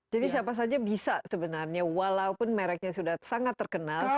siapa saja bisa sebenarnya walaupun mereknya sudah sangat terkenal